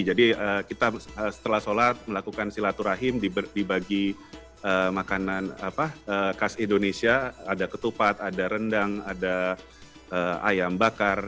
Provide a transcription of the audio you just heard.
jadi kita setelah sholat melakukan sholat turahim dibagi makanan khas indonesia ada ketupat ada rendang ada ayam bakar